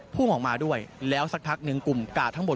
พุ่งออกมาด้วยแล้วสักพักหนึ่งกลุ่มกาดทั้งหมด